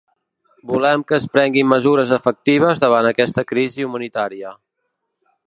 Volem que es prenguin mesures efectives davant aquesta crisi humanitària.